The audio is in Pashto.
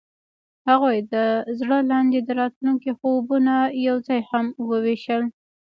هغوی د زړه لاندې د راتلونکي خوبونه یوځای هم وویشل.